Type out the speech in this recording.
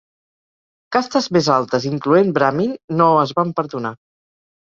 Castes més altes, incloent Brahmin, no es van perdonar.